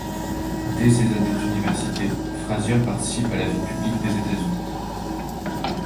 Dès ses années d'université, Frazier participe à la vie publique des États-Unis.